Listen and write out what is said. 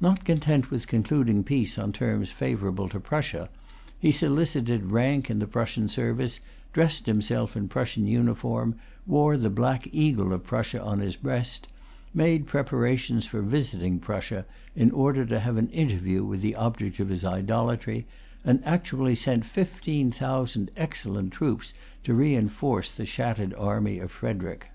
Not content with concluding peace on terms favorable to Prussia, he solicited rank in the Prussian service, dressed himself in a Prussian uniform, wore the Black Eagle of Prussia on his breast, made preparations for visiting Prussia, in order to have an interview with the object of his idolatry, and actually sent fifteen thousand excellent troops to reinforce the shattered army of Frederic.